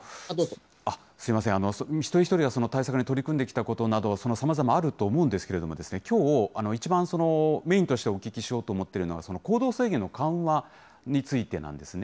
一人一人が対策に取り組んできたことなど、さまざまあると思うんですけれども、きょう、一番メインとしてお聞きしようと思っているのは、行動制限の緩和についてなんですね。